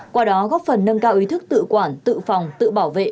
qua đó góp phần nâng cao ý thức tự quản tự phòng tự bảo vệ